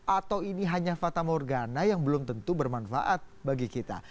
atau ini hanya fata morgana yang belum tentu bermanfaat bagi kita